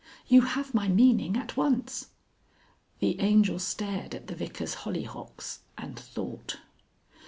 "You have my meaning at once." The Angel stared at the Vicar's hollyhocks and thought.